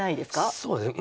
そうですね